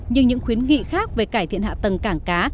nhưng những khuyến nghị khác về cải thiện hạ tầng cảng cá